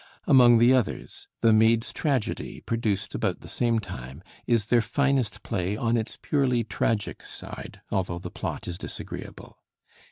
Among the others, 'The Maid's Tragedy,' produced about the same time, is their finest play on its purely tragic side, although the plot is disagreeable.